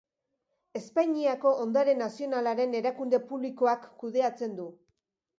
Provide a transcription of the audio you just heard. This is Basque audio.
Espainiako Ondare Nazionalaren erakunde publikoak kudeatzen du.